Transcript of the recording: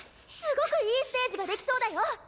すごくいいステージが出来そうだよ！